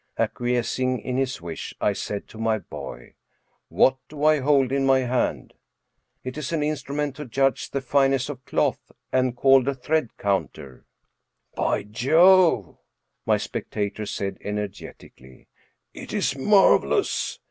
Acquiescing in his wish, I said to my boy, "What do I hold in my hand ?"" It is an instrument to judge the fineness of cloth, and called a thread counter." " By Jove !" my spectator said, energetically, " it is mar velous.